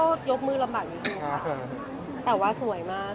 ก็ยกมือลำบากนิดนึงค่ะแต่ว่าสวยมากค่ะ